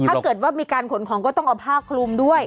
ถ้าเกิดว่ามีการขนของก็ต้องเอาผ้าคลุมด้วย